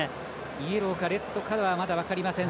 イエローかレッドかがまだ分かりません。